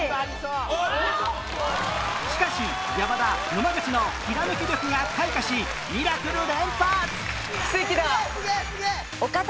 しかし山田野間口のひらめき力が開花しミラクル連発！